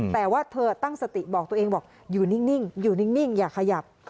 แต่ว่าเธอตั้งสติบอกตัวเองอยู่นิ่งอย่าขยับ